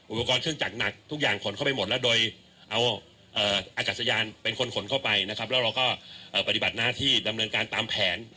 อุปกรณ์เครื่องจักรหนักทุกอย่างขนเข้าไปหมดแล้วโดยเอาอากาศยานเป็นคนขนเข้าไปนะครับแล้วเราก็ปฏิบัติหน้าที่ดำเนินการตามแผน